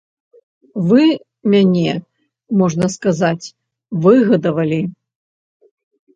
Вы мяне, можна сказаць, выгадавалі.